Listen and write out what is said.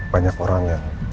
banyak orang yang